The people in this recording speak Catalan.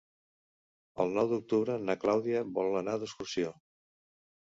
El nou d'octubre na Clàudia vol anar d'excursió.